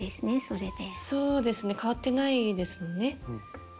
そうですね変わってないですね。